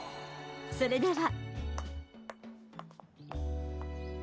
それでは。